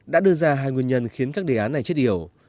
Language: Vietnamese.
đã đưa ra hai nguyên nhân khiến các đề án này chết hiểu